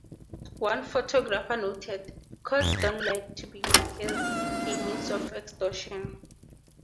One photographer noted: courts don't like to be used as a means of extortion.